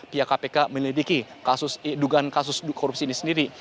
pihak kpk menyelidiki kasus dugaan kasus korupsi ini sendiri